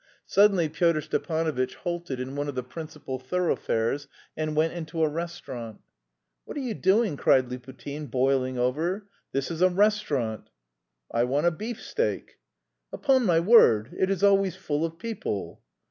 Suddenly Pyotr Stepanovitch halted in one of the principal thoroughfares and went into a restaurant. "What are you doing?" cried Liputin, boiling over. "This is a restaurant." "I want a beefsteak." "Upon my word! It is always full of people."